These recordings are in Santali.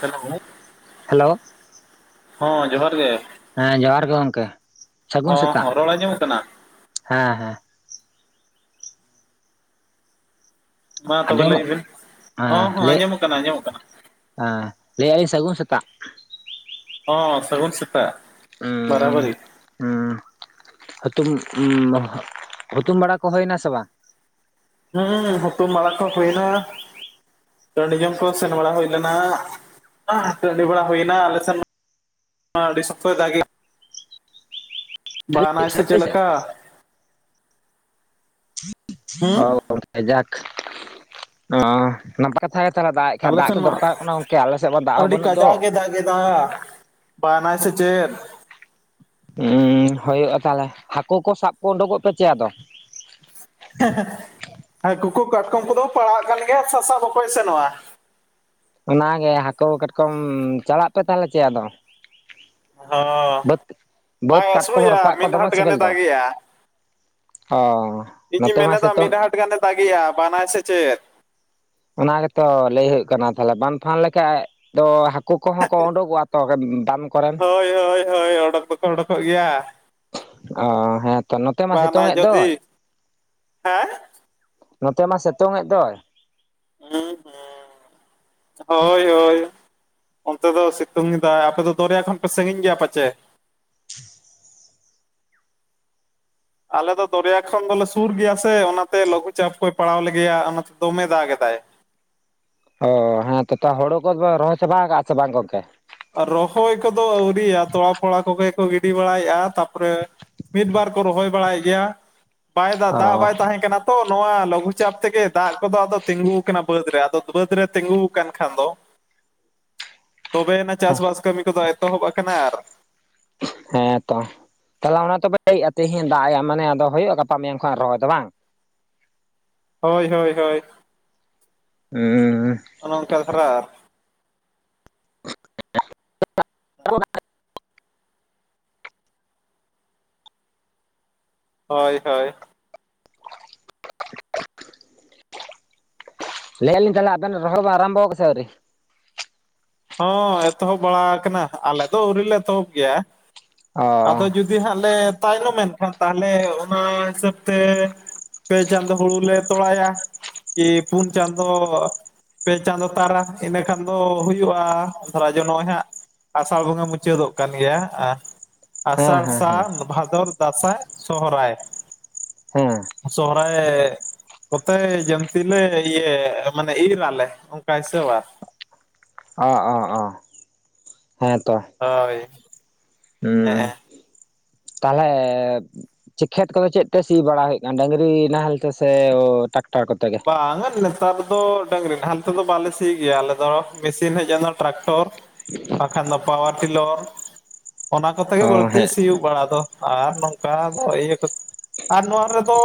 ᱦᱮᱞᱳ ᱦᱮᱞᱳ [unintelligible] ᱦᱚᱸ ᱡᱚᱦᱟᱨ ᱜᱮ᱾ ᱦᱮᱸ ᱡᱚᱦᱟᱨ ᱜᱮ ᱜᱚᱝᱠᱮ, ᱥᱟᱹᱜᱩᱱ ᱦᱚᱸ ᱥᱮᱛᱟᱜ᱾ ᱦᱚᱸ ᱨᱚᱲ ᱟᱸᱡᱚᱢᱚᱜ ᱠᱟᱱᱟ ᱦᱮᱸ ᱦᱮᱸ ᱢᱟ ᱛᱚᱵᱮ ᱞᱟᱹᱭ ᱟᱸᱡᱚᱢᱚᱜ ᱵᱤᱱ᱾ ᱦᱚᱸ ᱦᱚᱸ ᱟᱸᱡᱚᱢᱚᱜ ᱠᱟᱱᱟ ᱾ ᱟᱸᱡᱚᱢᱚᱜ ᱠᱟᱱᱟ᱾ ᱦᱮᱸ, ᱞᱟᱹᱭ ᱮᱜᱼᱟ ᱞᱤᱧ ᱥᱟᱹᱜᱩᱱ ᱥᱮᱛᱟᱜ᱾ ᱦᱚᱸ ᱥᱟᱹᱜᱩᱱ ᱥᱮᱛᱟᱜ᱾ ᱩᱸ ᱵᱟᱨᱟᱵᱟᱹᱨᱤ ᱦᱩᱸ [inaudible] ᱦᱩᱛᱩᱢ, [unintelligible] ᱦᱩᱛᱩᱢ ᱵᱟᱲᱟ ᱠᱚ ᱦᱳᱭ ᱱᱟ ᱥᱮ ᱵᱟᱝ? ᱦᱩᱸ ᱦᱩᱛᱩ ᱰᱟᱲᱟ ᱠᱚ ᱦᱳᱭ ᱱᱟ᱾ ᱴᱟᱺᱰᱤ ᱡᱚᱝ ᱠᱚ ᱥᱮᱱ ᱵᱟᱲᱟ ᱦᱳᱭ ᱞᱮᱱᱟ᱾ ᱴᱟᱺᱰᱤ ᱵᱟᱲᱟ ᱦᱳᱭ ᱱᱟ ᱟᱞᱮ ᱥᱮᱱ ᱟᱹᱰᱤ ᱥᱚᱠᱛᱚ ᱫᱟ ᱮᱫ, ᱵᱟᱱ ᱟᱭ ᱥᱮ ᱪᱮᱜ ᱞᱮᱠᱟ᱾ ᱚ ᱦᱩᱸ ᱡᱟᱠ, ᱚᱸ ᱱᱟᱯᱟᱭ ᱠᱟᱛᱷᱟ ᱜᱮᱛᱟᱞ ᱞᱮ [inaudible] ᱫᱟᱜ ᱮ ᱠᱷᱟᱡ ᱟᱞᱮ ᱫᱟᱜ ᱥᱮᱱ ᱜᱮ ᱢᱟ ᱫᱚᱨᱠᱟᱨ ᱠᱟᱱᱟ᱾ ᱜᱚᱝᱠᱮ ᱟᱞᱮ ᱥᱮᱫ ᱢᱟ ᱫᱟᱜ ᱦᱚᱸ ᱵᱟᱹᱱᱩᱜ ᱫᱚ᱾ ᱫ ᱠᱮᱫᱮᱫ [inaudible] ᱵᱟᱱ ᱟᱭ ᱥᱮ ᱪᱮᱫ᱾ ᱩ ᱦᱳᱭᱳᱜᱼᱟ ᱛᱟᱦᱚᱞᱮ, ᱦᱟᱹᱠᱳ ᱠᱚ ᱥᱟᱵ ᱠᱚ ᱩᱰᱳᱠᱚᱜ ᱯᱮ ᱪᱮᱠ ᱟᱫᱚ᱾ [unintelligible] ᱦᱟᱹᱠᱩ ᱠᱚ, ᱠᱟᱴᱠᱚᱢ ᱠᱚᱫᱚ ᱯᱟᱲᱟᱜ ᱠᱟᱱ ᱜᱮᱭᱟ ᱾ ᱥᱟᱥᱟᱯ ᱚᱠᱚᱭ ᱮ ᱥᱮᱱᱚᱜᱼᱟ᱾ ᱚᱱᱟ ᱜᱮ ᱦᱟᱹᱠᱳ, ᱠᱟᱴᱠᱚᱢ ᱪᱟᱞᱟᱜ ᱯᱮ ᱛᱟᱦᱚᱞᱮ ᱪᱮᱫ ᱟᱫᱚ᱾ ᱦᱚᱸ ᱵᱟᱹᱫᱽ ᱵᱟᱹᱫᱽ ᱵᱟᱭ ᱠᱟᱴᱠᱚᱢ ᱟᱹᱥᱩᱲᱮᱜᱼᱟ ᱨᱟᱯᱟᱜ ᱠᱚ ᱢᱤᱫ ᱫᱚᱢᱮ ᱦᱟᱴ ᱜᱟᱱᱮ ᱥᱮᱵᱮᱞ ᱫᱚ᱾ ᱫᱟᱜᱮᱜᱼᱟ ᱦᱚᱸ ᱱᱚᱛᱮ ᱢᱟ ᱥᱮᱛᱳᱝ [unintelligible] ᱜᱮᱭᱟ᱾ ᱵᱟᱱ ᱟᱭ ᱥᱮ ᱪᱮᱫ? ᱚᱱᱟ ᱜᱮᱛᱚ ᱞᱟᱹᱭ ᱦᱩᱭᱩᱜ ᱠᱟᱱᱟ ᱛᱟᱦᱚᱞᱮ, ᱵᱟᱱ ᱯᱷᱟᱱ ᱞᱮᱠᱷᱟᱡᱽ ᱫᱚ ᱦᱟᱹᱠᱳ ᱠᱚᱦᱚᱸ ᱠᱚ ᱳᱰᱠᱚᱜᱼᱟ ᱛᱚ᱾ ᱫᱟᱢ [unintelligible] ᱦᱳᱭ, ᱦᱳᱭ, ᱦᱳᱭ ᱚᱰᱚᱠ ᱫᱚᱠᱚ ᱚᱰᱚᱠᱚᱜ ᱜᱮᱭᱟ᱾ ᱚ ᱦᱮᱸᱛᱚ, ᱱᱚᱛᱮ ᱢᱟ ᱥᱮᱛᱳᱝ ᱵᱟᱱᱟᱭ ᱮᱫ ᱫᱚᱭ᱾ ᱡᱩᱫᱤ ᱦᱮᱸ ᱱᱚᱛᱮ ᱢᱟ ᱥᱮᱛᱳᱝ ᱮᱫ ᱫᱚᱭ᱾ ᱦᱩᱸ ᱦᱩᱸ ᱦᱳᱭ ᱦᱳᱭ᱾ ᱚᱱᱛᱮ ᱫᱚ ᱥᱮᱛᱳᱝ ᱮᱫᱟᱭ ᱟᱯᱮ ᱫᱚᱨᱭᱟ ᱠᱷᱚᱱ ᱯᱮ ᱥᱟᱺᱜᱤᱧ ᱜᱮᱭᱟ ᱯᱟᱪᱮ ᱟᱞᱮ ᱫᱚ ᱫᱚᱨᱭᱟ ᱠᱷᱚᱱ ᱫᱚᱞᱮ ᱥᱩᱨ ᱜᱮᱭᱟ ᱥᱮ, ᱚᱱᱟᱛᱮ ᱞᱚᱜᱷᱩ ᱪᱟᱯ ᱠᱚᱭ ᱯᱟᱲᱟᱣ ᱞᱮᱜᱮᱭᱟ ᱚᱱᱟ ᱛᱮ ᱫᱚᱢᱮ ᱫᱟᱜᱽ ᱮᱫᱟᱭ᱾ ᱚ ᱦᱮᱸ ᱛᱚ ᱦᱳᱲᱳ ᱠᱚ ᱫᱚ ᱯᱮ ᱨᱚᱦᱚᱭ ᱪᱟᱵᱟ ᱠᱟᱜ ᱥᱮ ᱵᱟᱝ ᱜᱚᱝᱠᱮ? ᱨᱚᱦᱚᱭ ᱠᱚᱫᱚ ᱟᱹᱣᱨᱤᱭᱟ ᱛᱚᱲᱟ ᱯᱷᱚᱲᱟ ᱠᱚᱜᱮ ᱠᱚ ᱜᱤᱰᱤ ᱵᱟᱲᱟᱭ ᱮᱫᱼᱟ ᱛᱟ ᱯᱚᱨᱮ ᱢᱤᱫ ᱵᱟᱨ ᱠᱚ ᱨᱚᱦᱚᱭ ᱵᱟᱲᱟᱭ ᱮᱜ ᱜᱮᱭᱟ᱾ ᱵᱟᱭ ᱫᱟᱜᱽ, ᱫᱟᱜᱽ ᱵᱟᱭ ᱚ ᱛᱟᱦᱮᱸ ᱠᱟᱱᱟ ᱛᱚ ᱱᱚᱣᱟ ᱞᱩᱜᱩ ᱪᱟᱯ ᱛᱮᱜᱮ ᱫᱟᱜᱽ ᱠᱚᱫᱚ ᱟᱫᱚ ᱛᱤᱸᱜᱩ ᱟᱠᱟᱱᱟ ᱵᱟᱹᱫᱽ ᱨᱮ ᱟᱫᱚ ᱵᱟᱹᱫᱽ ᱨᱮ ᱛᱤᱸᱜᱩ ᱠᱷᱟᱱ ᱫᱚ [inaudible] ᱛᱚᱵᱮᱭ ᱱᱟ ᱪᱟᱥᱵᱟᱥ ᱠᱟᱹᱢᱤ ᱠᱚᱫᱚ ᱮᱛᱚᱦᱚᱵᱽ ᱟᱠᱟᱱᱟ ᱟᱨ ᱦᱮᱸ ᱛᱚ᱾ ᱛᱟᱦᱚᱞᱮ ᱚᱱᱟ ᱦᱚᱫᱚ ᱯᱮ ᱞᱟᱹᱭ ᱮᱜᱼᱟ᱾ ᱛᱮᱦᱮᱧ ᱫᱟᱜᱽ ᱮ ᱢᱟᱱᱮ ᱟᱫᱚ ᱦᱳᱭᱳᱜᱼᱟ᱾ ᱜᱟᱯᱟ ᱢᱮᱭᱟᱝ ᱠᱷᱚᱱᱟ ᱨᱚᱦᱚᱭ ᱫᱚ ᱵᱟᱝ? ᱦᱳᱭ ᱦᱳᱭ ᱦᱳᱭ ᱦᱩᱸ ᱩᱸ ᱚᱱᱮᱼᱚᱱᱠᱟ ᱫᱟᱨᱟ [unintelligible] ᱦᱳᱭ ᱦᱳᱭ ᱞᱟᱹᱭ ᱮᱜᱼᱟ ᱞᱤᱧ ᱛᱟᱦᱚᱞᱮ ᱟᱵᱮᱱ ᱨᱚᱲᱚ ᱫᱚ ᱟᱨᱟᱢᱵᱷᱚ ᱠᱟᱜᱼᱟ ᱥᱮ ᱟᱹᱣᱨᱤ? ᱦᱚᱸ ᱮᱛᱚᱦᱚᱵᱽ ᱵᱟᱲᱟ ᱟᱠᱟᱱᱟ ᱟᱞᱮ ᱫᱚ ᱟᱹᱣᱨᱤ ᱞᱮ ᱮᱛᱚᱦᱚᱵᱽ ᱜᱮᱭᱟ, ᱚ ᱟᱫᱚ ᱡᱩᱫᱤ ᱡᱩᱫᱤ ᱦᱟᱸᱜ ᱞᱮ ᱛᱟᱭᱱᱚᱢ ᱮᱱᱠᱷᱟᱱ ᱛᱟᱦᱚᱞᱮ ᱚᱱᱟ ᱦᱤᱥᱟᱹᱵᱽ ᱛᱮ ᱯᱮ ᱪᱟᱸᱫᱚ ᱦᱩᱲᱩ ᱞᱮ ᱛᱚᱲᱟᱭᱟ᱾ ᱯᱩᱱ ᱪᱟᱸᱫᱚ ᱯᱮ ᱪᱟᱸᱫᱚ ᱛᱟᱨᱟ ᱤᱱᱟᱹ ᱠᱷᱟᱱ ᱫᱚ ᱦᱩᱭᱩᱜ ᱦᱩᱭᱩᱜᱼᱟ ᱫᱷᱟᱨᱟ ᱡᱮ ᱱᱚᱜᱼᱚᱭ ᱦᱟᱸᱜ ᱟᱥᱟᱲ ᱵᱚᱸᱜᱟ ᱢᱩᱪᱟᱹᱫᱚᱜ ᱠᱟᱱ ᱜᱮᱭᱟ ᱟᱸ ᱦᱮᱸ ᱟᱥᱟᱲ ᱦᱮᱸ ᱦᱮᱸ ᱥᱟᱱ ᱵᱷᱟᱫᱚᱨ ᱫᱟᱸᱟᱥᱟᱭ ᱥᱚᱦᱚᱨᱟᱭ ᱦᱮᱸ ᱥᱚᱦᱨᱟᱭ ᱚᱛᱮ ᱡᱚᱢᱛᱤ ᱞᱮ ᱤᱧᱟ ᱢᱟᱱᱮ ᱤᱨ ᱟᱞᱮ ᱚᱱᱠᱟ ᱦᱤᱥᱟᱹᱵᱟ ᱚᱸ ᱚᱸ ᱚᱸ ᱦᱮᱸ ᱛᱚ ᱦᱳᱭ ᱦᱩᱸ ᱦᱮᱸ ᱛᱟᱦᱞᱮ ᱪᱮ ᱠᱷᱮᱛ ᱠᱚᱫᱚ ᱪᱮᱫ ᱛᱮ ᱥᱤ ᱵᱟᱲᱟ ᱦᱩᱭᱩᱜ ᱠᱟᱱᱟ ᱰᱟᱹᱟᱝᱨᱤ ᱱᱟᱦᱮᱞ ᱛᱮ ᱥᱮ ᱴᱟᱠᱴᱟᱨ ᱠᱚᱛᱮ ᱜᱮ ᱵᱟᱝᱼᱟ ᱱᱮᱛᱟᱨ ᱫᱚ ᱰᱟᱝᱨᱤ ᱱᱟᱦᱮᱞ ᱛᱮᱫᱚ ᱵᱟᱞᱮ ᱥᱤ ᱜᱮᱭᱟ ᱟᱞᱮ ᱫᱚ ᱢᱮᱥᱤᱱ ᱦᱮᱡᱽᱮᱱᱟ ᱴᱨᱟᱠᱴᱚᱨ ᱵᱟᱠᱷᱟᱱ ᱫᱚ ᱯᱟᱣᱟᱨ ᱴᱤᱞᱟᱨ ᱚᱱᱟ ᱠᱚᱛᱮ ᱜᱮ ᱚ ᱵᱟᱹᱲᱛᱤ ᱦᱮᱸ ᱥᱤᱭᱩᱜ ᱵᱟᱲᱟ ᱫᱚ ᱟᱨ ᱱᱚᱝᱠᱟ ᱫᱚ ᱤᱭᱟᱹ ᱟᱨ ᱱᱚᱣᱟ ᱨᱮᱫᱚ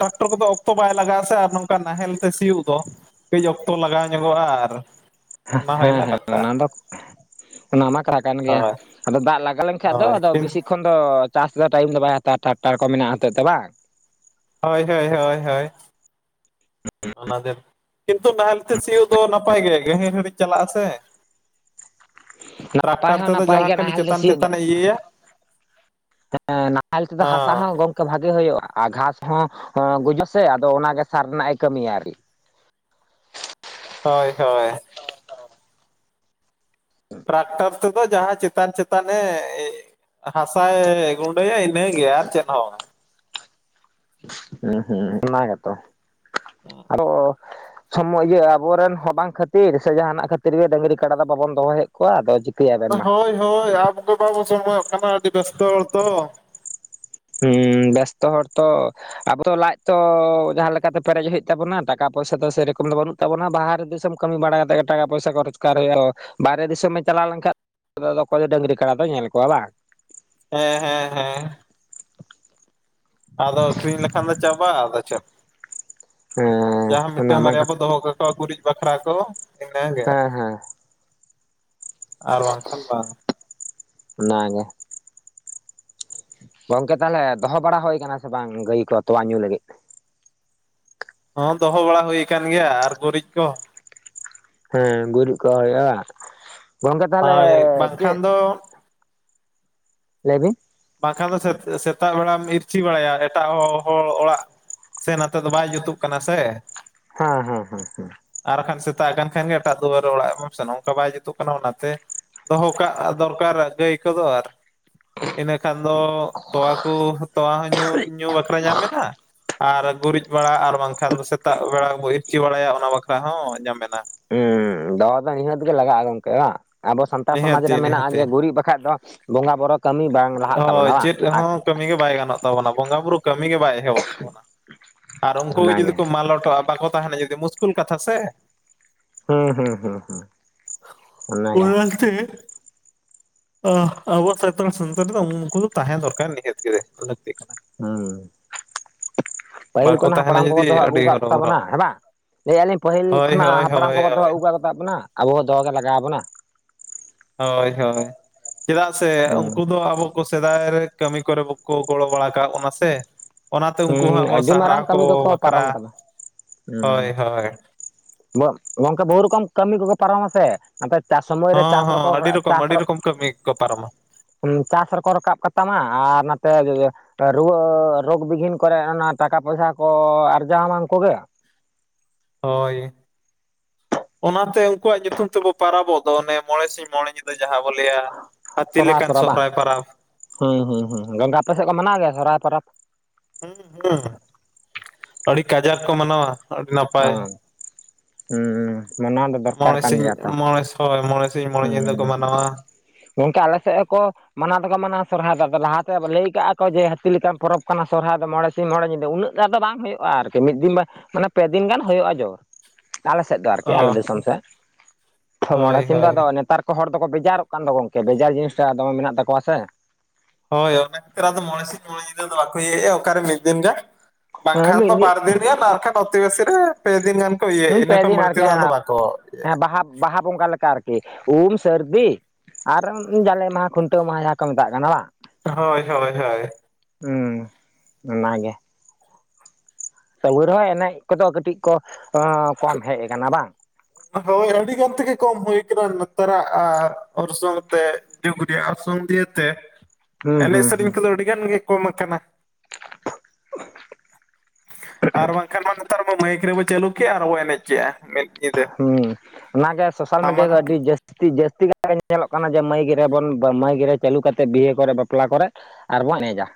ᱴᱟᱠᱴᱚᱨ ᱠᱚᱫᱚ ᱚᱠᱛᱚ ᱵᱟᱭ ᱞᱟᱜᱟᱜᱼᱟ ᱥᱮ ᱱᱚᱝᱠᱟ ᱱᱟᱦᱮᱞ ᱛᱮ ᱥᱤᱭᱩᱜ ᱫᱚ ᱠᱟᱹᱡᱽ ᱚᱠᱛᱚ ᱞᱟᱜᱟᱣ ᱧᱚᱜᱚᱜᱼᱟ ᱟᱨ ᱚᱱᱟ ᱦᱮᱸ ᱦᱩᱭᱱᱟ ᱦᱮᱸ ᱠᱟᱛᱷᱟ ᱚᱱᱟ ᱫᱚ ᱚᱱᱟ ᱢᱟ ᱠᱷᱨᱟ ᱠᱟᱱ ᱜᱮᱭᱟ ᱦᱳᱭ ᱟᱫᱚ ᱫᱟᱜᱽ ᱞᱟᱜᱟ ᱞᱮᱱᱠᱷᱟᱱ ᱫᱚ ᱦᱳᱭ ᱟᱫᱚ ᱵᱮᱥᱤ ᱠᱷᱚᱱ ᱫᱚ ᱪᱟᱥ ᱫᱚ ᱴᱟᱭᱤᱢ ᱫᱚ ᱵᱟᱭ ᱦᱟᱛᱟᱣᱟ ᱴᱟᱠᱴᱟᱨ ᱠᱚ ᱢᱮᱱᱟᱜᱼᱟ ᱦᱚᱛᱮᱫ ᱛᱮ ᱵᱟᱝ ᱦᱳᱭ ᱦᱳᱭ ᱦᱳᱭ ᱦᱳᱭ [inaudible] ᱚᱱᱟ ᱫᱤᱱ ᱠᱤᱱᱛᱩ ᱱᱟᱦᱮᱞᱛᱮ ᱥᱤᱭᱩᱜ ᱫᱚ ᱱᱟᱯᱟᱭ ᱜᱮ ᱜᱟᱹᱦᱤᱨ ᱦᱟᱨᱤᱡᱽ ᱪᱟᱞᱟᱜᱼᱟ ᱟᱥᱮ ᱱᱟᱯᱟᱭ ᱦᱚᱸ ᱱᱟᱯᱟᱭ ᱡᱟᱦᱟᱸ ᱜᱮᱭᱟ ᱠᱷᱟᱹᱞᱤ ᱱᱟᱦᱮᱞ ᱫᱚ ᱪᱮᱛᱟᱱ ᱥᱤᱭᱳᱜ ᱫᱚ᱾ ᱪᱮᱛᱟᱱᱮ ᱤᱭᱟᱹᱭᱟ ᱱᱟᱦᱮᱞ ᱛᱮᱫᱚ ᱦᱟᱥᱟ ᱦᱚᱸ ᱜᱚᱝ ᱟᱹ ᱵᱷᱟᱜᱤ ᱦᱩᱭᱩᱜᱼᱟ ᱟᱨ ᱜᱷᱟᱸᱥ ᱦᱚᱸ ᱜᱩᱡᱩᱜ ᱟ ᱥᱮ ᱟᱫᱚ ᱚᱱᱟᱜᱮ ᱥᱟᱨ ᱨᱮᱱᱟᱜ ᱮ ᱠᱟᱹᱢᱤᱭᱟ ᱟᱨᱠᱤ᱾ ᱦᱳᱭ ᱦᱳᱭ᱾ ᱴᱨᱟᱠᱴᱟᱨ ᱛᱮᱫᱚ ᱡᱟᱦᱟ ᱪᱮᱛᱟᱱ ᱪᱮᱛᱟᱱᱮ ᱦᱟᱥᱟᱭ ᱜᱩᱱᱰᱟᱹᱭᱟ ᱤᱱᱟᱹ ᱜᱮ ᱟᱨ ᱪᱮᱫ ᱦᱚᱸ ᱵᱟᱝ᱾ ᱦᱩᱸ ᱦᱩᱸ ᱚᱱᱟᱜᱮᱛᱚ ᱟᱫᱚ ᱥᱚᱢᱚᱭ ᱤᱭᱟᱹ ᱟᱵᱚᱨᱮᱱ ᱦᱚᱸ ᱵᱟᱝ ᱠᱷᱟᱹᱛᱤᱨ ᱥᱮ ᱡᱟᱦᱱᱟᱜ ᱠᱷᱟᱹᱛᱤᱨ ᱜᱮ ᱰᱟᱺᱜᱨᱤ ᱠᱟᱰᱟ ᱫᱚ ᱵᱟᱵᱚᱱ ᱫᱚᱦᱚᱭᱮᱫ ᱠᱚᱣᱟ? ᱚ ᱟᱫᱚ ᱪᱤᱠᱟᱹᱭᱟ ᱵᱮᱱ ᱵᱟᱝ ᱢᱟ᱾ ᱦᱳᱭ ᱦᱳᱭ ᱟᱵ ᱠᱚ ᱵᱟᱵᱚ ᱥᱚᱢᱚᱭᱚᱜ ᱠᱟᱱᱟ ᱟᱹᱰᱤ ᱵᱮᱥᱛᱚ ᱦᱚᱲ ᱛᱚ᱾ ᱦᱩᱸ ᱵᱮᱥᱛᱚ ᱦᱚᱲ ᱛᱚ᱾ ᱟᱵᱚ ᱫᱚ ᱞᱟᱡ ᱛᱚ ᱡᱟᱦᱟ ᱞᱮᱠᱟᱛᱮ ᱯᱮᱨᱮᱡ ᱦᱩᱭᱩᱜ ᱛᱟᱵᱚᱱᱟ ᱴᱟᱠᱟ ᱯᱚᱭᱥᱟ ᱫᱚ ᱥᱮᱨᱚᱠᱚᱢ ᱫᱚ ᱵᱟᱹᱱᱩᱜ ᱾ ᱛᱚ ᱚᱱᱟ ᱵᱟᱦᱨᱮ ᱫᱤᱥᱚᱢ ᱠᱟᱹᱢᱤ ᱵᱟᱲᱟ ᱠᱟᱛᱮᱧ ᱴᱟᱠᱟ ᱯᱚᱭᱥᱟ ᱨᱚᱪᱠᱟᱨ ᱮᱞ ᱵᱟᱦᱨᱮ ᱫᱤᱥᱚᱢ ᱪᱟᱞᱟᱣ ᱞᱮᱱᱠᱷᱟᱱ᱾ ᱫᱚ ᱚᱠᱚᱭ ᱫᱚ ᱰᱟᱹᱝᱨᱤ ᱠᱟᱰᱟ ᱫᱚᱭ ᱧᱮᱞ ᱠᱚᱣᱟ ᱵᱟᱝ᱾ ᱦᱮᱸ ᱦᱮᱸ ᱦᱮᱸ᱾ ᱟᱫᱚ ᱟᱹᱠᱠᱨᱤᱧ ᱞᱮᱠᱷᱟᱱ ᱫᱚ ᱪᱟᱵᱟᱜ ᱟ ᱟᱫᱚ ᱪᱮᱫ᱾ ᱦᱮᱸ ᱡᱟᱦᱟ ᱚᱱᱟ ᱢᱤᱫᱴᱟᱝ ᱢᱟ ᱵᱟᱨᱭᱟ ᱵᱚᱱ ᱠᱟᱛᱷᱟ ᱫᱚᱦᱚ ᱠᱟᱠᱚᱣᱟ ᱜᱩᱨᱤᱡ᱾ ᱵᱟᱠᱷᱨᱟ ᱫᱚ ᱤᱱᱟᱜᱮ ᱦᱮᱸ ᱦᱮᱸ ᱟᱨ ᱵᱟᱝ ᱠᱷᱟᱱ ᱵᱟᱝ᱾ ᱚᱱᱟ ᱜᱮ᱾ ᱜᱚᱝᱠᱮ ᱛᱟᱦᱚᱞᱮ ᱫᱚᱦᱚ ᱵᱟᱲᱟ ᱦᱚᱭ ᱟᱠᱟᱱᱟ ᱥᱮ ᱵᱟᱝ ᱜᱟᱹᱭ ᱠᱚ ᱛᱚᱣᱟ ᱧᱩ ᱞᱟᱹᱜᱤᱫ᱾ ᱦᱚᱸ ᱫᱚᱦᱚ ᱵᱟᱲᱟ ᱦᱩᱭ ᱟᱠᱟᱱ ᱜᱮᱭᱟ ᱟᱨ ᱜᱩᱨᱤᱡ ᱠᱚ᱾ ᱦᱩᱸ ᱜᱩᱨᱤᱡ ᱠᱚ ᱦᱩᱭᱩᱜᱼᱟ ᱜᱚᱝᱠᱮ ᱛᱟᱦᱚᱞᱮ ᱦᱳᱭ ᱵᱟᱝᱠᱷᱟᱱ ᱪᱮᱫ? ᱫᱚ ᱞᱟᱹᱭᱵᱤᱱ᱾ ᱵᱟᱝᱠᱷᱟᱱ ᱫᱚ ᱥᱮᱛᱟᱜ ᱵᱮᱲᱟᱢ ᱤᱨᱪᱷᱤ ᱵᱟᱲᱟᱭᱟ ᱮᱴᱟᱜ ᱦᱚ ᱦᱚᱲ ᱚᱲᱟᱜ᱾ ᱥᱮ ᱱᱚᱛᱮ ᱫᱚ ᱵᱟᱭ ᱡᱩᱛᱩᱜ ᱠᱟᱱᱟ ᱥᱮ᱾ ᱦᱟᱸ ᱦᱟᱸ ᱦᱟᱸ ᱦᱟᱸ ᱟᱨ ᱵᱟᱠᱷᱟᱱ ᱥᱮᱛᱟᱜ ᱠᱟᱱ ᱠᱷᱟᱱ ᱜᱮ ᱮᱴᱟᱜ ᱫᱩᱣᱟᱹᱨ ᱨᱮ ᱚᱲᱟᱜ ᱵᱚᱱ ᱥᱮᱱᱚᱜ ᱜᱮ ᱵᱟᱭ ᱡᱩᱛᱩᱜ ᱠᱟᱱᱟ ᱚᱱᱟᱛᱮ᱾ ᱫᱚᱦᱚ ᱠᱟᱜ ᱫᱚᱨᱠᱟᱨᱟ ᱜᱟᱹᱭ ᱠᱚᱫᱚ ᱟᱨ ᱤᱱᱟᱹᱠᱷᱟᱱ ᱫᱚ ᱛᱳᱣᱟ ᱠᱚ ᱛᱳᱣᱟ ᱦᱚᱸ ᱧᱩ ᱵᱟᱠᱷᱨᱟ ᱧᱟᱢ ᱮᱱᱟ᱾ ᱟᱨ ᱜᱩᱨᱤᱡ ᱵᱟᱲᱟ ᱟᱨ ᱵᱟᱝᱠᱷᱟᱱ ᱫᱚ ᱥᱮᱛᱟᱜ ᱵᱮᱲᱟ ᱵᱚ ᱤᱨᱪᱤ ᱵᱟᱲᱟᱭᱟ ᱚᱱᱟ ᱵᱟᱠᱷᱨᱟ ᱦᱚᱸ ᱧᱟᱢᱮᱱᱟ᱾ ᱦᱩᱸ ᱫᱚ ᱱᱤᱦᱟᱹᱛ ᱜᱮ ᱦᱮᱸ ᱞᱟᱜᱟᱜ-ᱟ ᱜᱚᱢᱠᱮ ᱵᱟᱝ [inaudible] ᱟᱵᱚ ᱥᱟᱱᱛᱟᱲ ᱥᱚᱢᱟᱡᱽ ᱱᱤᱦᱟᱹᱛᱤ ᱨᱮ ᱢᱮᱱᱟᱜ-ᱟ ᱱᱤᱦᱟᱹᱛᱤ ᱡᱮ ᱜᱩᱨᱤᱡᱽ ᱵᱟᱠᱷᱟᱡ ᱫᱚ ᱾ ᱦᱳᱭ ᱪᱮᱫ ᱟᱨ ᱦᱚᱸ ᱠᱟᱹᱢᱤ ᱜᱮ ᱵᱟᱭ ᱜᱟᱱᱚᱜ ᱛᱟᱵᱚᱱᱟ ᱵᱚᱸᱜᱟ ᱵᱩᱨᱩ ᱠᱟᱹᱢᱤ ᱜᱮ ᱵᱟᱭ ᱮᱦᱚᱵᱚᱜ ᱛᱟᱵᱚᱱᱟ ᱾ ᱟᱨ ᱩᱱᱠᱩ ᱜᱮ ᱡᱩᱫᱤ ᱚᱱᱟᱜᱮ ᱠᱚ ᱢᱟᱞᱚᱴᱚᱜ-ᱟ ᱵᱟᱠᱚ ᱛᱟᱦᱮᱱᱟ ᱡᱩᱫᱤ ᱢᱩᱥᱠᱩᱞ ᱠᱟᱛᱷᱟ ᱥᱮ ᱦᱩᱸ ᱦᱩᱸ ᱦᱩᱸ ᱦᱩᱸ ᱾ ᱚᱱᱟᱜᱮ ᱚᱱᱟᱛᱮ [inaudible] ᱟ ᱟᱵᱚ ᱥᱟᱱᱛᱟᱲ ᱥᱟᱣᱛᱟ ᱫᱚ ᱩᱱᱠᱩ ᱛᱟᱦᱮᱸ ᱫᱚᱨᱠᱟᱨ ᱱᱤᱦᱟᱹᱛ ᱜᱮ ᱞᱟᱹᱠᱛᱤᱜ ᱠᱟᱱᱟ ᱾ ᱦᱩᱸ ᱯᱟᱹᱦᱤᱞ ᱵᱟᱠᱚ ᱠᱷᱚᱱᱟ ᱛᱟᱦᱮᱱᱟ ᱦᱟᱯᱲᱟᱢ ᱠᱚᱠᱚ ᱫᱚᱦᱚ ᱡᱩᱫᱤ ᱟᱹᱜᱩ ᱟᱹᱰᱤ ᱟᱠᱟᱫ ᱠᱚᱛᱟ ᱵᱚᱱᱟ ᱦᱚᱨᱚᱵᱚᱨᱚ ᱦᱮᱸ ᱵᱟᱝ ᱾ ᱞᱟᱹᱭᱮᱜ-ᱟᱞᱤᱧ ᱯᱟᱹᱦᱤᱞ ᱦᱳᱭ ᱠᱷᱚᱱᱟᱜ ᱦᱳᱭ ᱦᱟᱯᱲᱟᱢ ᱦᱳᱭ ᱠᱚᱠᱚ ᱫᱚᱦᱚ ᱦᱳᱭ ᱟᱹᱜᱩ ᱟᱠᱟᱫ ᱵᱚᱱᱟ ᱟᱵᱚ ᱦᱚᱸ ᱫᱚᱦᱚ ᱜᱮ ᱞᱟᱜᱟᱣᱟ ᱵᱚᱱᱟ ᱾ ᱦᱳᱭ ᱦᱳᱭ ᱪᱮᱫᱟᱜ ᱥᱮ ᱦᱩᱸ ᱩᱱᱠᱩ ᱫᱚ ᱟᱵᱚ ᱼᱼ ᱩᱱᱠᱩ ᱥᱮᱫᱟᱭ ᱨᱮ ᱠᱟᱹᱢᱤ ᱠᱚᱨᱮ ᱵᱟᱠᱚ ᱜᱚᱲᱚ ᱵᱟᱲᱟ ᱟᱠᱟᱜ ᱵᱚᱱᱟ ᱥᱮ ᱾ ᱚᱱᱟᱛᱮ ᱩᱱᱠᱩ ᱦᱩᱸ ᱦᱟᱜ ᱵᱚ ᱟᱹᱰᱤ ᱥᱟᱦᱟᱨᱟᱣ ᱢᱟᱨᱟᱝ ᱠᱚ ᱠᱟᱹᱢᱤ ᱠᱚᱠᱚ ᱵᱟᱠᱠᱷᱟᱨᱟ ᱯᱟᱨᱚᱢ ᱦᱳᱭ ᱦᱳᱭ᱾ ᱜᱚᱢᱠᱮ ᱵᱚᱦᱩ ᱨᱚᱠᱚᱢ ᱠᱟᱹᱢᱤ ᱠᱚᱠᱚ ᱯᱟᱨᱚᱢ ᱟ ᱥᱮ ᱾ ᱟᱯᱮ ᱪᱟᱥ ᱥᱚᱢᱚᱭ ᱨᱮ ᱦᱚᱸ ᱪᱟᱥ ᱨᱮ ᱦᱚᱸ ᱠᱚ [inaudible] ᱟᱹᱰᱤ ᱨᱚᱠᱚᱢ ᱟᱹᱰᱤ ᱨᱚᱠᱚᱢ ᱠᱟᱹᱢᱤ ᱠᱚ ᱯᱟᱨᱚᱢᱟ ᱪᱟᱥ ᱨᱮᱠᱚ ᱨᱟᱠᱟᱵ ᱠᱟᱛᱟᱢᱟ ᱟᱨ ᱱᱚᱛᱮ ᱨᱩᱣᱟᱹ ᱨᱳᱜᱽ ᱵᱤᱜᱷᱤᱱ ᱼᱼ ᱠᱚᱨᱮ ᱚᱱᱟ ᱴᱟᱠᱟ ᱯᱚᱭᱥᱟ ᱠᱚ ᱟᱨᱡᱟᱣ ᱟᱢᱟ ᱩᱱᱠᱩ ᱜᱮ ᱾ ᱦᱳᱭ᱾ ᱚᱱᱟᱛᱮ ᱩᱱᱠᱩᱣᱟᱜ ᱧᱩᱛᱩᱢ ᱛᱮᱵᱚ ᱯᱟᱨᱟᱵᱚᱜ ᱫᱚ ᱚᱱᱮ ᱢᱚᱬᱮ ᱥᱤᱸᱧ ᱢᱚᱬᱮ ᱧᱤᱫᱟᱹ ᱡᱟᱦᱟᱸ ᱵᱚ ᱞᱟᱹᱭᱟ ᱼᱼ ᱥᱚᱨᱦᱟᱭ ᱯᱚᱨᱚᱵᱽ ᱵᱟ ᱦᱩᱸᱦᱩᱸ ᱦᱩᱸ ᱟᱯᱮ ᱥᱮᱫ ᱠᱚ ᱢᱟᱱᱟᱣ ᱜᱮᱭᱟ ᱥᱚᱨᱦᱟᱭ ᱯᱟᱨᱚᱵᱽ? ᱦᱩᱸ ᱦᱩᱸ ᱟᱹᱰᱤ ᱠᱟᱡᱟᱠ ᱠᱚ ᱢᱟᱱᱟᱣᱟ ᱟᱹᱰᱤ ᱱᱟᱯᱟᱭ ᱾ ᱚᱸ ᱦᱩᱸ ᱢᱟᱱᱟᱣ ᱫᱚ ᱫᱚᱨᱠᱟᱨ ᱢᱚᱬᱮ ᱠᱟᱱ ᱥᱤᱧ ᱜᱮᱭᱟ ᱛᱚ ᱾ ᱢᱚᱬᱮ ᱦᱳᱭ ᱢᱚᱬᱮ ᱥᱤᱸᱧ ᱢᱚᱬᱮ ᱧᱤᱫᱟᱹ ᱠᱚ ᱢᱟᱱᱟᱣᱟ ᱾ ᱜᱚᱢᱠᱮ ᱟᱞᱮ ᱥᱮᱫ ᱦᱚᱸ ᱠᱚ ᱼᱼ ᱢᱟᱱᱟᱣ ᱫᱚᱠᱚ ᱢᱟᱱᱟᱣᱟ ᱥᱚᱨᱦᱟᱭ ᱟᱫᱚ ᱞᱟᱦᱟ ᱛᱮ ᱞᱟᱹᱭ ᱠᱟᱜ-ᱟ ᱠᱚ ᱡᱮ, ᱦᱟᱹᱛᱤ ᱞᱮᱠᱟᱱ ᱯᱚᱨᱚᱵᱽ ᱠᱟᱱᱟ ᱥᱚᱨᱦᱟᱭ ᱫᱚ ᱢᱚᱬᱮ ᱼᱼ ᱥᱤᱧ ᱢᱚᱬᱮ ᱧᱤᱫᱟᱹ ᱩᱱᱟᱹᱜ ᱜᱟᱱ ᱫᱚ ᱵᱟᱝ ᱦᱩᱭᱩᱜ-ᱟ ᱟᱨᱠᱤ ᱢᱤᱫ ᱫᱤᱱ ᱢᱟᱱᱮ ᱯᱮ ᱫᱤᱱ ᱜᱟᱱ ᱦᱩᱭᱩᱜ-ᱟ ᱡᱳᱨ ᱾ ᱟᱞᱮ ᱥᱮᱫ ᱫᱚ ᱟᱨᱠᱤ ᱟᱞᱮ ᱚ ᱫᱤᱥᱚᱢ ᱥᱮᱫ ᱢᱚᱬᱮ ᱦᱳᱭ ᱼᱼ ᱦᱳᱭ ᱱᱮᱛᱟᱨ ᱠᱚ ᱦᱚᱲ ᱫᱚᱠᱚ ᱵᱮᱡᱟᱨᱚᱜ ᱠᱟᱱ ᱫᱚ ᱜᱚᱢᱠᱮ ᱵᱮᱡᱟᱨ ᱡᱤᱱᱤᱥᱴᱟᱜ ᱫᱚᱢᱮ ᱢᱮᱱᱟᱜ ᱛᱟᱠᱚᱣᱟ ᱥᱮ ᱾ ᱦᱳᱭ ᱚᱱᱟ ᱠᱷᱟᱹᱛᱤᱨ ᱟᱫᱚ ᱢᱚᱬᱮ ᱥᱤᱧ ᱢᱚᱬᱮ ᱧᱤᱫᱟᱹ ᱫᱚ ᱵᱟᱠᱚ ᱤᱭᱟᱹᱭᱮᱜ-ᱟ ᱚᱠᱟᱨᱮ ᱢᱤᱫ ᱫᱤᱱ ᱜᱟᱱ ᱦᱮᱸ ᱵᱟᱝᱠᱷᱟᱱ ᱢᱤᱫ ᱫᱚ ᱵᱟᱨ ᱫᱤᱱ ᱜᱟᱱ ᱟᱨ ᱵᱟᱠᱷᱟᱡ [unintelligible] ᱨᱮ ᱯᱮ ᱫᱤᱱ ᱜᱟᱱ ᱠᱚ ᱦᱮᱸ ᱤᱭᱟᱹᱭᱮᱜ-ᱟ ᱤᱱᱟᱹ ᱯᱮ ᱠᱷᱚᱱ ᱫᱤᱱ ᱵᱟᱹᱲᱛᱤ ᱟᱨᱠᱤ ᱫᱚ ᱟᱫᱚ ᱦᱮᱸ ᱵᱟᱠᱚ ᱤᱭᱟᱹᱭᱟ ᱾ ᱵᱟᱦᱟ ᱵᱟᱦᱟ ᱵᱚᱸᱜᱟ ᱞᱮᱠᱟ ᱟᱨᱠᱤ ᱩᱢ ᱥᱟᱹᱨᱫᱤ ᱼᱼ ᱟᱨ ᱡᱟᱞᱮ ᱢᱟᱦᱟ ᱠᱷᱩᱱᱴᱟᱹᱣ ᱢᱟᱦᱟᱸ ᱡᱟᱦᱟᱸ ᱠᱚ ᱢᱮᱛᱟᱜ ᱠᱟᱱᱟ ᱵᱟᱝ ᱦᱳᱭ ᱦᱳᱭ ᱦᱳᱭ ᱦᱩᱸ ᱚᱱᱟ ᱜᱮ ᱾ ᱛᱩᱵᱩ ᱨᱮᱦᱚᱸ ᱮᱱᱮᱡ ᱠᱚᱫᱚ ᱠᱟᱹᱴᱤᱡ ᱠᱚ ᱠᱚᱢ ᱦᱮᱡ ᱟᱠᱟᱱᱟ ᱵᱟᱝ ᱦᱳᱭ ᱟᱹᱰᱤ ᱜᱟᱱ ᱛᱤᱜᱮ ᱠᱚᱢ ᱦᱩᱭ ᱠᱟᱱᱟ ᱱᱮᱛᱟᱨᱟᱜ ᱚᱨᱥᱚᱝ ᱛᱮ ᱾ ᱡᱩᱜᱽ ᱨᱮᱭᱟᱜ ᱚᱨᱥᱚᱝ ᱫᱤᱭᱮ ᱛᱮ ᱦᱩᱸ ᱮᱱᱮᱡ ᱦᱩᱸ ᱥᱮᱨᱮᱧ ᱦᱩᱸ ᱠᱚᱫᱚ ᱟᱹᱰᱤ ᱜᱟᱱ ᱜᱮ ᱠᱚᱢ ᱟᱠᱟᱱᱟ ᱾ ᱩᱦ ᱟᱨ ᱵᱟᱝᱠᱷᱟᱱ ᱢᱟ ᱱᱮᱛᱟᱨ ᱢᱟ ᱢᱟᱹᱭᱤᱠ ᱨᱮᱵᱚ ᱪᱟᱹᱞᱩ ᱠᱮᱜ-ᱟ ᱟᱨᱵᱚ ᱮᱱᱮᱡ ᱠᱮᱜ-ᱟ ᱾ ᱦᱩᱸ ᱚᱱᱟᱜᱮ ᱥᱳᱥᱟᱞ ᱢᱤᱰᱤᱭᱟ ᱴᱟᱢᱟᱠ ᱫᱚ ᱟᱹᱰᱤ ᱡᱟᱹᱥ ᱼᱼ ᱛᱤ ᱡᱟᱹᱥᱛᱤ ᱠᱟᱭ ᱛᱮ ᱧᱮᱞᱚᱜ ᱠᱟᱱᱟ ᱡᱮ ᱢᱟᱹᱭᱤᱠ ᱨᱮ ᱵᱚᱱ ᱢᱟᱹᱭᱤᱠ ᱨᱮ ᱪᱟᱹᱞᱩ ᱠᱟᱛᱮ ᱵᱤᱦᱟᱹ ᱠᱚᱨᱮ ᱵᱟᱯᱞᱟ ᱠᱚᱨᱮ ᱼᱼ ᱟᱨ ᱵᱚᱱ ᱮᱱᱮᱡᱟ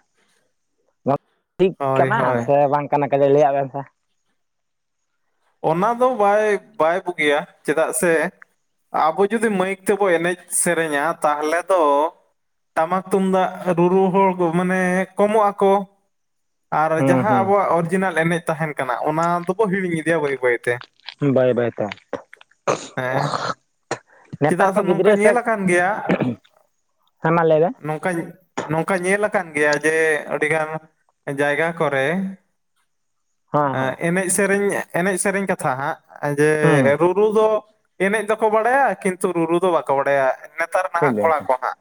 ᱱᱚᱣᱟ ᱴᱷᱤᱠ ᱦᱳᱭ ᱠᱟᱱᱟ ᱦᱳᱭ ᱥᱮ ᱵᱟᱝ ᱠᱟᱱᱟ ᱠᱟᱹᱴᱤᱡ ᱞᱟᱹᱭᱟᱜ ᱵᱮᱱ ᱥᱮ? ᱚᱱᱟ ᱫᱚ ᱵᱟᱭ [unintelligible] ᱵᱳᱜᱤᱭᱟ ᱪᱮᱫᱟᱜ ᱥᱮ ᱼᱼ ᱟᱵᱚ ᱡᱩᱫᱤ ᱢᱟᱹᱭᱤᱠ ᱛᱮᱵᱚ ᱮᱱᱮᱡ ᱥᱮᱨᱮᱧᱟ ᱛᱟᱦᱚᱞᱮ ᱫᱚ ᱼᱼ ᱴᱟᱢᱟᱠ ᱛᱩᱢᱫᱟᱜ ᱨᱩᱨᱩ ᱦᱚᱲ ᱠᱚ ᱢᱟᱱᱮ ᱠᱚᱢᱚᱜ ᱟᱠᱚ ᱾ ᱟᱨ ᱡᱟᱦᱟ ᱦᱩᱸ ᱟᱵᱚᱣᱟᱜ ᱚᱨᱤᱡᱤᱱᱟᱞ ᱮᱱᱮᱡ ᱛᱟᱦᱮᱸᱱ ᱠᱟᱱᱟ ᱚᱱᱟ ᱫᱚᱵᱚ ᱦᱤᱲᱤᱧ ᱤᱫᱤᱭᱟ ᱵᱟᱹᱭ ᱵᱟᱹᱭᱛᱮ ᱾ ᱵᱟᱹᱭ ᱵᱟᱹᱭ ᱛᱮ ᱦᱮᱸ ᱱᱮᱛᱟᱨ ᱪᱮᱫᱟᱜ ᱠᱚ ᱱᱚᱝᱠᱟ ᱜᱤᱫᱽᱨᱟᱹ ᱥᱮ ᱧᱮᱞ ᱟᱠᱟᱱ ᱜᱮᱭᱟ ᱦᱮᱸ ᱢᱟ ᱞᱟᱹᱭ ᱵᱮᱱ ᱾ ᱱᱚᱝᱠᱟ ᱱᱚᱝᱠᱟ ᱧᱮᱞ ᱟᱠᱟᱱ ᱜᱮᱭᱟ ᱡᱮ ᱟᱹᱰᱤᱜᱟᱱ ᱼᱼ ᱡᱟᱭᱜᱟ ᱠᱚᱨᱮ ᱼᱼ ᱦᱮᱸ ᱦᱮᱸ ᱟᱸ ᱮᱱᱮᱡ ᱥᱮᱨᱮᱧ ᱮᱱᱮᱡ ᱥᱮᱨᱮᱧ ᱠᱟᱛᱷᱟ ᱦᱟᱸᱜ ᱡᱮ ᱦᱩᱸ ᱨᱩ ᱨᱩ ᱫᱚ ᱮᱱᱮᱡ ᱫᱚᱠᱚ ᱵᱟᱰᱟᱭᱟ ᱠᱤᱱᱛᱩ ᱨᱩᱨᱩ ᱫᱚ ᱵᱟᱠᱚ ᱵᱟᱰᱟᱭᱟ᱾ ᱱᱮᱛᱟᱨ ᱴᱷᱤᱠ ᱱᱟᱦᱟᱜ ᱠᱚᱲᱟ ᱜᱚᱝᱠᱮ ᱠᱚ ᱦᱟᱸᱜ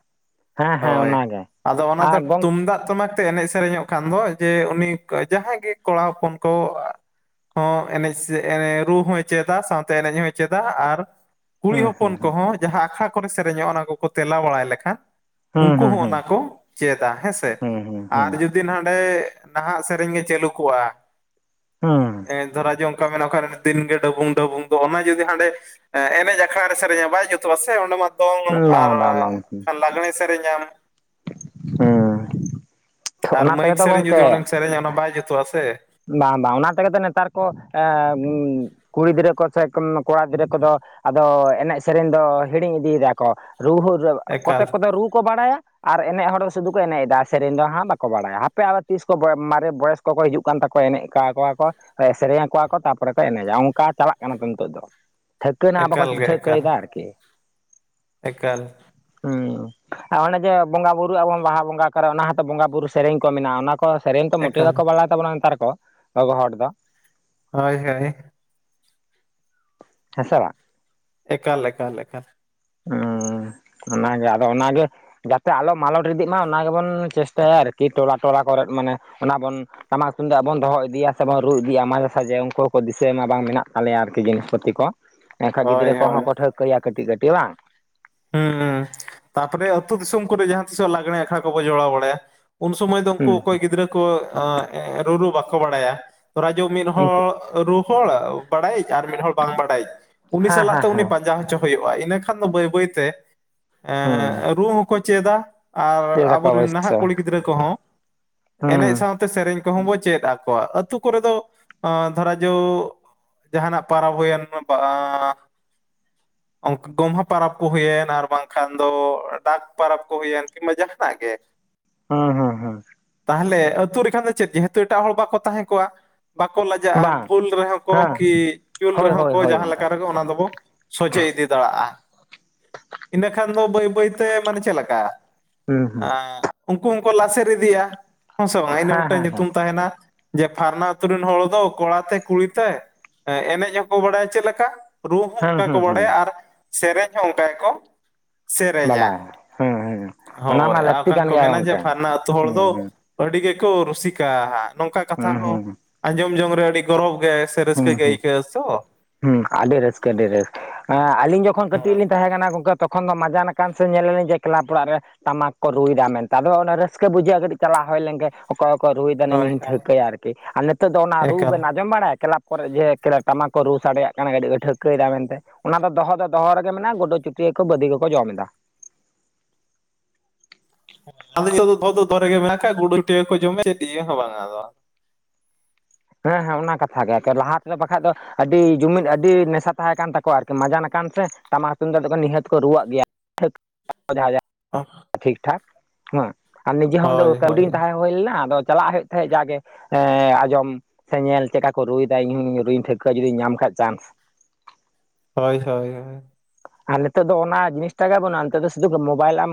ᱦᱮᱸ ᱦᱮᱸ ᱦᱚᱭ ᱚᱱᱟᱜᱮ ᱟᱫᱚ ᱚᱱᱟ ᱫᱚ ᱟᱨ ᱜᱚᱝ ᱛᱩᱢᱫᱟᱜ ᱛᱟᱢᱟᱠ ᱛᱮ ᱮᱱᱮᱡ ᱥᱮᱨᱮᱧᱚᱜ ᱠᱷᱟᱱ ᱫᱚ ᱡᱮ ᱩᱱᱤ ᱡᱟᱦᱟᱸᱭ ᱜᱮ ᱠᱚᱲᱟ ᱦᱚᱯᱚᱱ ᱠᱚ ᱦᱚᱸ ᱮᱱᱮᱡ ᱥᱮ ᱨᱩ ᱦᱚᱸᱭ ᱪᱮᱫᱟ ᱥᱟᱶᱛᱮ ᱮᱱᱮᱡ ᱦᱚᱸᱭ ᱪᱮᱫᱟ ᱟᱨ ᱠᱩᱲᱤ ᱦᱩᱸ ᱦᱚᱯ ᱦᱩᱸ ᱠᱚᱦᱚᱸ ᱡᱟᱦᱟᱸ ᱟᱠᱷᱟ ᱠᱚᱨᱮ ᱥᱮᱨᱮᱧᱚᱜ ᱚᱱᱟ ᱠᱚᱠᱚ ᱛᱮᱞᱟ ᱵᱟᱲᱟᱭ ᱞᱮᱠᱷᱟᱱ ᱦᱩᱸ ᱩᱝᱠᱩ ᱦᱩᱸ ᱦᱚᱸ ᱦᱩᱸ ᱚᱱᱟ ᱦᱩᱸ ᱠᱚ ᱪᱮᱫᱟ ᱦᱮᱸᱥᱮ ᱦᱩᱸ ᱦᱩᱸ ᱟᱨ ᱡᱩᱫᱤ ᱱᱟᱸᱰᱮ ᱱᱟᱦᱟᱜ ᱥᱮᱨᱮᱧ ᱜᱮ ᱪᱟᱹᱞᱩ ᱠᱚᱜᱼᱟ ᱦᱩᱸ ᱮ ᱫᱷᱚᱨᱟ ᱡᱚᱝ ᱠᱟ ᱢᱮᱱᱟ ᱠᱟᱨᱮ ᱫᱤᱱᱜᱮ ᱰᱟᱹᱵᱩᱝ ᱰᱟᱹᱵᱩᱝ ᱫᱚ ᱚᱱᱟ ᱡᱩᱫᱤ ᱦᱟᱸᱰᱮ ᱮᱸ ᱮᱱᱮᱡ ᱟᱠᱷᱲᱟ ᱥᱮᱨᱮᱧᱟ ᱵᱟᱭ ᱡᱩᱛᱩᱜᱼᱟ ᱥᱮ ᱚᱸᱰᱮ ᱢᱟ ᱫᱚᱝ ᱦᱩᱸ ᱟᱨ ᱵᱟᱝ ᱵᱟᱝ ᱵᱟᱝ ᱦᱩᱸ ᱞᱟᱜᱽᱲᱮ ᱥᱮᱨᱮᱧᱟᱢ᱾ ᱟᱨ ᱚᱱᱟ ᱛᱮᱜᱮ ᱢᱟᱹᱭᱤᱠ ᱛᱚ ᱥᱮᱨᱮᱧ ᱡᱩᱫᱤ ᱜᱚᱝᱠᱮ ᱚᱸᱰᱮᱢ ᱥᱮᱨᱮᱧᱟ ᱚᱱᱟ ᱵᱟᱭ ᱡᱩᱛᱩᱜᱼᱟ ᱥᱮ᱾ ᱵᱟᱝ ᱵᱟᱝ ᱚᱱᱟ ᱛᱮᱜᱮ ᱛᱚ ᱱᱮᱛᱟᱨ ᱠᱚ ᱮᱸ ᱩᱸ ᱠᱩᱲᱤ ᱜᱤᱫᱽᱨᱟᱹ ᱠᱚ ᱥᱮᱫ ᱠᱷᱚᱱ ᱠᱚᱲᱟ ᱜᱤᱫᱽᱨᱟᱹ ᱠᱚᱫᱚ ᱟᱫᱚ ᱮᱱᱮᱡ ᱥᱮᱨᱮᱧ ᱫᱚ ᱦᱤᱲᱤᱧ ᱤᱫᱤ ᱫᱟᱠᱚ᱾ ᱨᱩ ᱦᱚᱸ ᱨᱩ ᱮᱠᱟᱞ ᱠᱚᱛᱮᱠ ᱠᱚᱫᱚ ᱨᱩ ᱠᱚ ᱵᱟᱰᱟᱭᱟ᱾ ᱟᱨ ᱮᱱᱮᱜ ᱦᱚᱲ ᱫᱚ ᱥᱩᱫᱩ ᱠᱚ ᱮᱱᱮᱜ ᱫᱟ ᱥᱮᱨᱮᱧ ᱫᱚ ᱦᱟᱸᱜ ᱵᱟᱠᱚ ᱵᱟᱲᱟᱭᱟ ᱦᱟᱯᱮ ᱟᱫᱚ ᱛᱤᱥ ᱠᱚ ᱵᱚ ᱢᱟᱨᱮ ᱵᱚᱭᱮᱥ ᱠᱚᱠᱚ ᱦᱤᱡᱩᱜ ᱠᱟᱱ ᱛᱟᱠᱚᱣᱟ ᱮᱱᱮᱡ ᱠᱟ ᱠᱚᱣᱟ ᱠᱚ ᱥᱮᱨᱮᱧ ᱟᱠᱚ ᱣᱟᱠᱚ ᱠᱚ ᱛᱟ ᱨᱯᱚᱨᱮ ᱠᱚ ᱮᱱᱮᱡᱟ ᱚᱝᱠᱟ ᱪᱟᱞᱟᱜ ᱠᱟᱱᱟ ᱛᱚ ᱱᱤᱛᱚᱜ ᱫᱚ᱾ ᱴᱷᱟᱹᱣᱠᱟ ᱱᱟᱦᱟᱜ ᱵᱟᱠᱚ ᱮᱠᱟᱞ ᱜᱮ ᱴᱷᱟᱹᱣᱠᱟᱹᱭ ᱮᱠᱟᱞ ᱫᱟ ᱟᱨᱠᱤ᱾ ᱮᱠᱟᱞ ᱦᱩᱸ ᱟᱨ ᱚᱱᱮ ᱡᱮ ᱵᱚᱸᱜᱟ ᱵᱩᱨᱩᱜ ᱟᱵᱚᱱ ᱵᱟᱦᱟ ᱵᱚᱸᱜᱟ ᱠᱚᱨᱮ ᱚᱱᱟ ᱦᱸᱚᱛᱚ ᱵᱚᱸᱜᱟ ᱵᱩᱨᱩ ᱥᱮᱨᱮᱧ ᱠᱚ ᱢᱮᱱᱟᱜᱼᱟ ᱚᱱᱟ ᱠᱚ ᱥᱮᱨᱮᱧ ᱛᱚ ᱢᱩᱴᱮ ᱮᱠᱟᱞ ᱦᱚᱸ ᱵᱟᱲᱟᱭ ᱛᱟᱵᱚᱱᱟ ᱱᱮᱛᱟᱨ ᱠᱚ ᱜᱚᱜᱚ ᱦᱚᱲ ᱫᱚ᱾ ᱦᱚᱭ, ᱦᱳᱭ᱾ ᱦᱮᱸᱥᱮ ᱵᱟᱝ? ᱮᱠᱟᱞ ᱮᱠᱟᱞ ᱮᱠᱟᱞ ᱚᱸ ᱚᱱᱟᱜᱮ ᱟᱫᱚ ᱚᱱᱟᱜᱮ ᱡᱟᱛᱮ ᱟᱞᱚ ᱢᱟᱞᱚᱴ ᱤᱫᱤᱜ ᱢᱟ ᱚᱱᱟ ᱜᱮᱵᱚᱱ ᱪᱮᱥᱴᱟᱭᱟ ᱟᱨᱠᱤ ᱴᱚᱞᱟ ᱴᱚᱞᱟ ᱠᱚᱨᱮᱫ ᱢᱟᱱᱮ ᱚᱱᱟ ᱵᱚᱱ ᱴᱟᱢᱟᱠ ᱛᱩᱢᱫᱟᱜ ᱵᱚᱱ ᱫᱚᱦᱚ ᱤᱫᱤᱭᱟ ᱥᱮᱵᱚᱱ ᱨᱩ ᱤᱫᱤᱭᱟ ᱢᱟᱡᱮ ᱥᱟᱡᱮ ᱩᱝᱠᱩ ᱦᱚᱸᱠᱚ ᱫᱤᱥᱟᱹᱭ ᱢᱟ ᱵᱟᱝ ᱢᱮᱱᱟᱜ ᱛᱟᱞᱮᱭᱟ ᱟᱨ ᱡᱤᱱᱤᱥᱯᱟᱛᱤ ᱠᱚ ᱮᱱᱠᱷᱟᱱ ᱦᱳᱭ ᱜᱤᱫᱟᱨᱟᱹ ᱦᱳᱭ ᱠᱚᱦᱚᱸ ᱠᱚ ᱴᱷᱟᱹᱣᱠᱟᱹᱭᱟ ᱠᱟᱹᱴᱤᱡ ᱠᱟᱹᱴᱤᱡ ᱵᱟᱝ? ᱦᱮᱸ ᱛᱟᱨᱯᱚᱨᱮ ᱟᱹᱛᱩ ᱫᱤᱥᱚᱢ ᱠᱚᱨᱮ ᱡᱟᱦᱟᱸ ᱛᱤᱥᱚᱜ ᱞᱟᱸᱜᱲᱮ ᱟᱠᱷᱲᱟ ᱠᱚᱵᱚ ᱡᱚᱲᱟᱣ ᱵᱟᱲᱟᱭᱟ ᱩᱱ ᱥᱳᱢᱚᱭ ᱫᱚ ᱩᱝᱠᱩ ᱦᱩᱸ ᱚᱠᱚᱭ ᱜᱤᱫᱽᱨᱟᱹ ᱠᱚ ᱚᱸ ᱨᱩᱨᱩ ᱵᱟᱠᱚ ᱵᱟᱲᱟᱭᱟ ᱫᱷᱚᱨᱟ ᱡᱚ ᱢᱤᱫ ᱩᱱᱠᱩ ᱦᱚᱲ ᱨᱩ ᱦᱚᱲ ᱵᱟᱲᱟᱭᱤᱡ ᱟᱨ ᱢᱤᱫᱦᱚᱲ ᱵᱟᱝ ᱵᱟᱲᱟᱭᱤᱡ ᱩᱱᱤ ᱦᱮᱸ ᱥᱟᱞᱟᱜ ᱦᱮᱸ ᱛᱮ ᱩᱱᱤ ᱦᱮᱸ ᱯᱟᱸᱡᱟ ᱦᱚᱪ ᱪᱚ ᱦᱩᱭᱩᱜᱼᱟ ᱤᱱᱟᱹᱠᱷᱟᱱ ᱫᱚ ᱵᱟᱹᱭ ᱵᱟᱹᱭ ᱛᱮ ᱦᱩᱸ ᱮᱸ ᱨᱩ ᱦᱚᱸᱠᱚ ᱪᱮᱫᱟ᱾ ᱟᱨ ᱪᱮᱫ ᱟᱠᱚ ᱟᱵᱚᱨᱮᱱ ᱚᱵᱚᱥᱥᱚ ᱱᱟᱦᱟᱜ ᱠᱩᱲᱤ ᱜᱤᱫᱽᱨᱟᱹ ᱠᱚᱦᱚᱸ ᱮᱱᱮᱡ ᱦᱩᱸ ᱥᱟᱶ ᱛᱮ ᱥᱮᱨᱮᱧ ᱠᱚᱦᱚᱸ ᱵᱚ ᱪᱮᱫ ᱟᱠᱚᱣᱟ ᱟᱹᱛᱩ ᱠᱚᱨᱮ ᱫᱚ ᱟᱸ ᱫᱷᱚᱨᱟ ᱡᱳ ᱡᱟᱦᱟᱱᱟᱜ ᱯᱟᱨᱟᱵᱽ ᱦᱩᱭᱮᱱ ᱵᱟ ᱜᱚᱢᱦᱚ ᱯᱟᱨᱟᱵᱽ᱾ ᱠᱚ ᱦᱩᱭᱮᱱ ᱟᱨ ᱵᱟᱝᱠᱷᱟᱱ ᱫᱚ ᱰᱟᱠ ᱯᱟᱨᱟᱵᱽ ᱠᱚ ᱦᱩᱭᱮᱱ ᱠᱤᱝᱵᱟ ᱡᱟᱦᱟᱱᱟᱜ ᱜᱮ᱾ ᱦᱩᱸ ᱦᱩᱸ ᱦᱩᱸ ᱦᱩᱸ ᱛᱟᱦᱞᱮ ᱟᱹᱛᱩ ᱨᱮᱠᱷᱟᱱ ᱫᱚ ᱪᱮᱫ ᱡᱮᱦᱩᱛᱩ ᱮᱴᱟᱜ ᱦᱚᱲ ᱵᱟᱠᱚ ᱛᱟᱦᱮᱸ ᱠᱚᱜᱼᱟ᱾ ᱵᱟᱠᱚ ᱞᱟᱡᱟᱜᱼᱟ ᱵᱟᱝ ᱵᱷᱩᱞ ᱨᱮᱦᱚᱸ ᱠᱚ ᱦᱮᱸ ᱠᱤ ᱪᱩᱞ ᱦᱳᱭ ᱨᱮᱦᱚᱸ ᱦᱳᱭ ᱠᱚ ᱦᱳᱭ ᱡᱟᱦᱟᱸ ᱜᱚᱝᱠᱮ ᱞᱮᱠᱟ ᱨᱮᱜᱮ ᱚᱱᱟ ᱫᱚᱵᱚ ᱥᱚᱡᱷᱮ ᱤᱫᱤ ᱫᱟᱲᱟᱜᱼᱟ᱾ ᱤᱱᱟᱹᱠᱷᱟᱱ ᱫᱚ ᱵᱟᱹᱭ ᱵᱟᱹᱭ ᱛᱮ ᱢᱟᱱᱮ ᱪᱮᱜ ᱞᱮᱠᱟ ᱦᱩᱸ ᱦᱩᱸ ᱮᱸ ᱩᱝᱠᱩ ᱦᱚᱸᱠᱚ ᱞᱟᱥᱮᱨ ᱤᱫᱤᱭᱟ ᱦᱚᱸ ᱥᱮ ᱵᱟᱝ ᱤᱱᱟᱹ ᱦᱮᱸ ᱢᱤᱫᱴᱟᱝ ᱦᱮᱸ ᱦᱮᱸ ᱧᱩᱛᱩᱢ ᱛᱟᱦᱮᱱᱟ᱾ ᱡᱮ ᱯᱷᱟᱨᱱᱟ ᱟᱛᱩᱨ ᱨᱮᱱ ᱦᱚᱲ ᱫᱚ ᱠᱚᱲᱟ ᱛᱮ ᱠᱩᱲᱤ ᱛᱮ ᱮᱸ ᱮᱱᱮᱡ ᱦᱚᱸᱠᱚ ᱵᱟᱲᱟᱭᱟ ᱪᱮᱫ ᱞᱮᱠᱟ? ᱨᱩ ᱦᱚᱸ ᱦᱩᱸ ᱚᱝᱠᱟ ᱠᱚ ᱦᱩᱸ ᱦᱩᱸ ᱵᱟᱰᱟᱭᱟ ᱟᱨ ᱥᱮᱨᱮᱧ ᱦᱚᱸ ᱚᱱᱠᱟ ᱜᱮᱠᱚ ᱥᱮᱨᱮᱧᱟ ᱵᱟᱰᱟᱭ ᱦᱩᱸ ᱦᱩᱸ ᱚᱱᱟ ᱦᱳᱭ ᱢᱟ ᱞᱟᱹᱠᱛᱤ ᱟᱨᱠᱷᱟᱱ ᱠᱟᱱ ᱠᱚ ᱜᱮᱭᱟ ᱢᱮᱱᱟ ᱡᱮ ᱜᱚᱝᱠᱮ ᱯᱷᱟᱞᱱᱟ ᱟᱹᱛᱩ ᱦᱚᱲ ᱦᱩᱸ ᱫᱚ ᱦᱩᱸ ᱟᱹᱰᱤ ᱜᱮᱠᱚ ᱨᱩᱥᱤᱠᱟ ᱦᱟᱸᱜ ᱱᱚᱝᱠᱟ ᱠᱟᱛᱷᱟ ᱦᱩᱸ ᱦᱚᱸ ᱦᱩᱸ ᱟᱸᱡᱚᱢ ᱡᱚᱝ ᱨᱮ ᱟᱹᱰᱤ ᱜᱚᱨᱚᱵᱽ ᱜᱮ᱾ ᱛᱮ ᱨᱟᱥᱠᱟᱹ ᱦᱩᱸ ᱜᱮ ᱦᱩᱸ ᱟᱹᱭᱠᱟᱜᱼᱟ ᱛᱚ᱾ ᱦᱩᱸ ᱟᱹᱰᱤ ᱨᱟᱹᱥᱠᱟᱹ ᱟᱹᱰᱤ ᱨᱟᱹᱥ ᱮᱸ ᱟᱞᱤᱧ ᱡᱚᱠᱷᱚᱱ ᱠᱟᱹᱴᱤᱡ ᱦᱮᱸ ᱞᱤᱧ ᱛᱟᱦᱮᱸ ᱠᱟᱱᱟ ᱜᱚᱝᱠᱮ ᱛᱚᱠᱷᱚᱱ ᱫᱚ ᱢᱟᱡᱟᱱ ᱟᱠᱟᱱ ᱥᱮ ᱧᱮᱞ ᱢᱮ ᱡᱮ ᱠᱮᱞᱟᱵ ᱚᱲᱟᱜ ᱨᱮ ᱴᱟᱢᱟᱠ ᱠᱚ ᱨᱩᱭᱫᱟ ᱢᱮᱱᱛᱮ ᱟᱫᱚ ᱚᱱᱟ ᱨᱟᱹᱥᱠᱟᱹ ᱵᱩᱡᱷᱟᱹᱜ-ᱟ ᱠᱟᱹᱴᱤᱡ ᱪᱟᱞᱟᱣ ᱦᱳᱭ ᱞᱮᱱᱜᱮ᱾ ᱚᱠᱟ ᱚᱠᱟ ᱨᱩᱭ ᱮᱫᱟ, ᱤᱧ ᱦᱳᱭ ᱦᱚᱸᱧ ᱦᱳᱭ ᱴᱷᱟᱹᱣᱠᱟᱹᱭᱟ ᱟᱨᱠᱤ ᱟᱨ ᱱᱤᱛᱚᱜ ᱫᱚ ᱚᱱᱟ ᱨᱩ ᱮᱠᱟᱞ ᱵᱮᱱ ᱟᱸᱡᱚᱢ ᱵᱟᱲᱟ ᱠᱚᱨᱮ ᱡᱮ ᱠᱷᱮᱞᱟ ᱴᱟᱢᱟᱠ ᱠᱚ ᱨᱩ ᱥᱟᱰᱮᱭᱟᱜ ᱠᱟᱱᱟ ᱠᱟᱹᱴᱤᱡ ᱠᱚ ᱴᱷᱟᱹᱣᱠᱟᱹ ᱮᱫᱟ ᱢᱮᱱ ᱛᱮ ᱚᱱᱟ ᱫᱚ ᱫᱚᱦᱚ ᱫᱚ ᱫᱚᱦᱚ ᱨᱮᱜᱮ ᱢᱮᱱᱟᱜᱼᱟ ᱜᱩᱰᱩ ᱪᱩᱴᱤᱭᱟᱹ ᱠᱚ ᱵᱟᱹᱫᱤ ᱠᱚᱠᱚ ᱡᱚᱢ ᱮᱫᱟ ᱟᱫᱚ ᱱᱤᱛᱚᱜ ᱫᱚ ᱫᱚᱦᱚ ᱫᱚ ᱫᱚᱦᱚ ᱨᱮᱜᱮ ᱢᱮᱱᱟᱜ ᱠᱷᱟᱡ ᱜᱩᱰᱩ ᱛᱮᱠᱚ ᱡᱚᱢᱮ ᱪᱮᱫ ᱤᱭᱟᱹ ᱦᱚᱸ ᱵᱟᱝ-ᱟ ᱟᱫᱚ ᱦᱮᱸ, ᱦᱮᱸ, ᱚᱱᱟ ᱠᱟᱛᱷᱟ ᱜᱮ, ᱟᱨᱠᱤ ᱞᱟᱦᱟ ᱛᱮᱫᱚ ᱵᱟᱠᱷᱟᱡ ᱫᱚ ᱟᱹᱰᱤ ᱡᱩᱢᱤᱫ ᱟᱹᱰᱤ ᱱᱮᱥᱟ ᱛᱟᱦᱮᱸ ᱠᱟᱱ ᱛᱟᱠᱚᱣᱟ, ᱟᱨᱠᱤ ᱢᱟᱡᱟᱱ ᱟᱠᱟᱱ ᱥᱮ ᱴᱟᱢᱟᱠ ᱛᱩᱢᱫᱟᱜ ᱫᱚᱠᱚ ᱱᱤᱦᱟᱹᱛ ᱠᱚ ᱨᱩᱣᱟᱹᱜ ᱜᱮᱭᱟ, ᱡᱟᱦᱟ ᱡᱟᱦᱟ᱾ ᱟᱨ ᱴᱷᱤᱠ ᱴᱷᱟᱠ, ᱦᱮᱸ ᱟᱨ ᱱᱤᱡᱮ ᱦᱚ ᱩᱱ ᱫᱚ, ᱠᱟᱦᱩᱰᱤᱧ ᱛᱟᱦᱮᱸ ᱦᱳᱭ ᱞᱮᱱᱟ, ᱟᱫᱚ ᱪᱟᱞᱟᱜ ᱦᱳᱭᱳᱜ ᱛᱟᱦᱮᱸᱜ, ᱡᱟᱜᱮ ᱮᱸ ᱟᱸᱡᱚᱢ᱾ ᱥᱮ ᱧᱮᱞ ᱪᱮᱠᱟ ᱠᱚ ᱨᱩᱭ ᱫᱟ, ᱤᱧ ᱦᱚᱧ ᱨᱩᱭ ᱴᱷᱟᱹᱣᱠᱟᱹ, ᱡᱩᱫᱤᱧ ᱧᱟᱢ ᱠᱷᱟᱡ ᱪᱟᱱᱥ? ᱦᱳᱭ, ᱦᱳᱭ, ᱦᱳᱭ᱾ ᱟᱨ ᱱᱤᱛᱚᱜ ᱫᱚ ᱚᱱᱟ ᱡᱤᱱᱤᱥᱴᱟ ᱜᱮ ᱵᱟᱹᱱᱩᱜᱼᱟ, ᱱᱤᱛᱚᱜ ᱫᱚ ᱥᱩᱫᱩ ᱢᱳᱵᱟᱭᱤᱞ ᱮᱢ